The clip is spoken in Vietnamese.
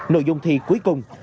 nội dung thi cuối cùng